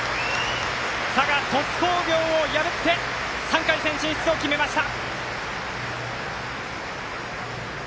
佐賀、鳥栖工業を破って３回戦進出を決めました。